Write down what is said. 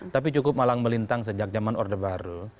tapi cukup malang melintang sejak zaman orde baru